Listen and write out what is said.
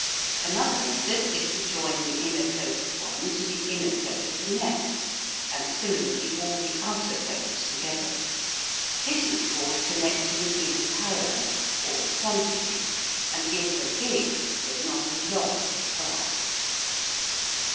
Another method is to join the inner coat of one to the inner coat of the next, and similarly all the outer coats together. This is called connecting "in parallel," or quantity, and gives a big, but not a long spark.